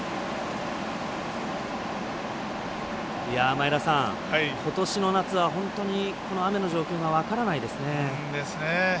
前田さん、ことしの夏は本当にこの雨の状況が分からないですね。